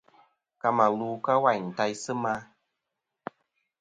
Ka mà lu ka wàyn taysɨ ma.